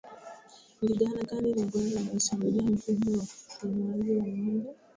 Ndigana kali ni ugonjwa unaoshambulia mfumo wa upumuaji wa ngombe